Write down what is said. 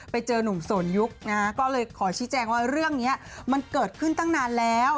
ไปเจอนุ่มโสนยุคนะฮะก็เลยขอชี้แจงว่าเรื่องนี้มันเกิดขึ้นตั้งนานแล้ว